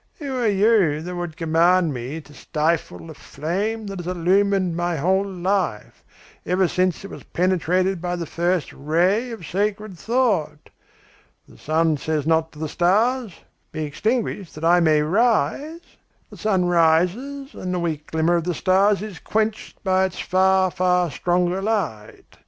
Who are you that would command me to stifle the flame that has illuminated my whole life, ever since it was penetrated by the first ray of sacred thought? The sun says not to the stars: 'Be extinguished that I may rise.' The sun rises and the weak glimmer of the stars is quenched by its far, far stronger light.